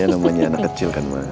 ya namanya anak kecil kan ma